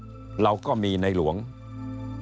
เพราะฉะนั้นท่านก็ออกโรงมาว่าท่านมีแนวทางที่จะทำเรื่องนี้ยังไง